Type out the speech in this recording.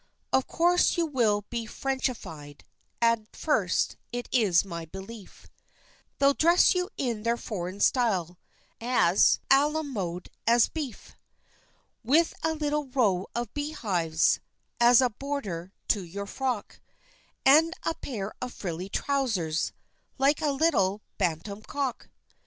Of course you will be Frenchified; and first, it's my belief, They'll dress you in their foreign style as à la mode as beef, With a little row of beehives, as a border to your frock, And a pair of frilly trousers, like a little bantam cock.